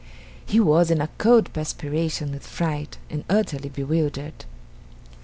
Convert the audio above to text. He was in a cold perspiration with fright, and utterly bewildered.